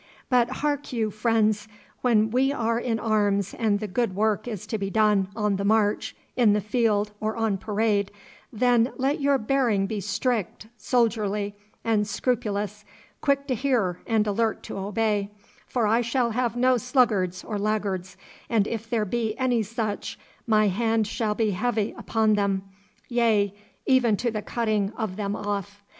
But hark you, friends! when we are in arms and the good work is to be done, on the march, in the field, or on parade, then let your bearing be strict, soldierly, and scrupulous, quick to hear and alert to obey, for I shall have no sluggards or laggards, and if there be any such my hand shall be heavy upon them, yea, even to the cutting of them off.